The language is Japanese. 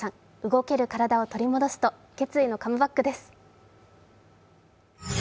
動ける体を取り戻すと決意のカムバックです。